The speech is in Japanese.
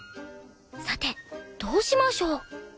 さてどうしましょう？